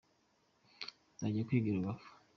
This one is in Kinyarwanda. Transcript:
nzajya kwiga i rubavu